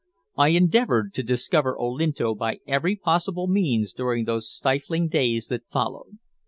I endeavored to discover Olinto by every possible means during those stifling days that followed.